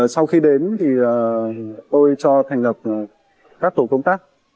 sau khi đến thì tôi cho thành lập các tổ công tác